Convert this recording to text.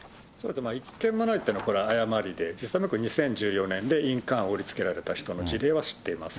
一件もないっていうのは、これは誤りで、実際、僕、２０１４年で印鑑を売りつけられた人の事例は知っています。